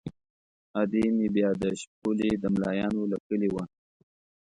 ادې مې بیا د شپولې د ملایانو له کلي وه.